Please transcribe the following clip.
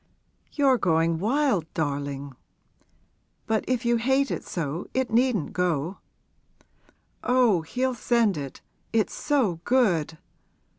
'You're going wild, darling; but if you hate it so it needn't go.' 'Oh, he'll send it it's so good!